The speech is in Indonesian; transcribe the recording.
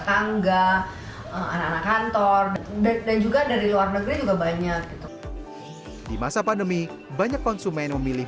tangga anak anak kantor dan juga dari luar negeri juga banyak gitu di masa pandemi banyak konsumen memilih